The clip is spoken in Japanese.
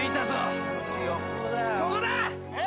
ここだ！